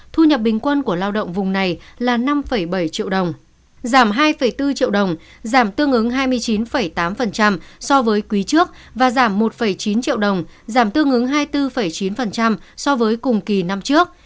thu nhập bình quân của lao động vùng này là năm bảy triệu đồng giảm hai bốn triệu đồng giảm tương ứng hai mươi chín tám so với quý trước và giảm một chín triệu đồng giảm tương ứng hai mươi bốn chín so với cùng kỳ năm trước